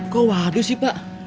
kok waduh sih pak